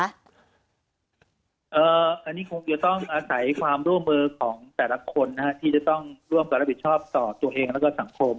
อันนี้คงจะต้องอาศัยความร่วมมือของแต่ละคนที่จะต้องร่วมกับรับผิดชอบต่อตัวเองแล้วก็สังคม